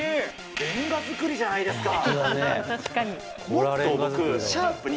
レンガ造りじゃないですか。